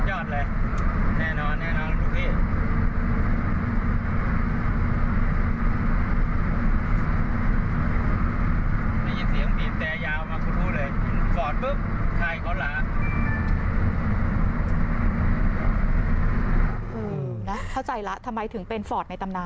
โอ้โหนะเข้าใจละทำไมถึงเป็นฟอร์ตในตำนาน